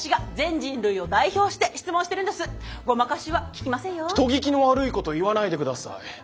人聞きの悪いこと言わないで下さい。